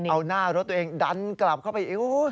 เอาหน้ารถตัวเองดันกลับเข้าไป